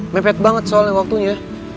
mepet banget soalnya waktunya